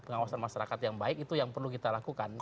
pengawasan masyarakat yang baik itu yang perlu kita lakukan